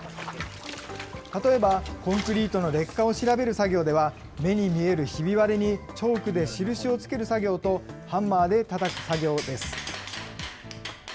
例えばコンクリートの劣化を調べる作業では、目に見えるひび割れにチョークで印をつける作業と、ハンマーでたたく作業です。